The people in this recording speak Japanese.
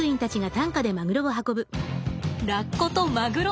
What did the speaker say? ラッコとマグロ。